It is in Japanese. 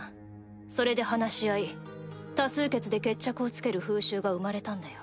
それで話し合い多数決で決着をつける風習が生まれたんだよ。